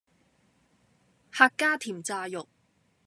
客家甜炸肉